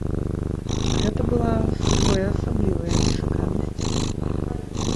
Гэта была своеасаблівая нечаканасць.